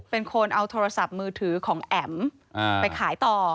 เป็นคนเอาโทรศัพท์มือถือของแอ๋มไปขายต่อ